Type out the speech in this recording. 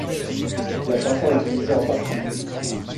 La chanson est divisée en parties.